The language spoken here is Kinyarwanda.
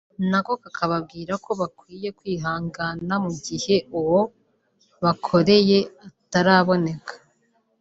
nako kakababwira ko bakwiye kwihangana mu gihe uwo bakoreye ataraboneka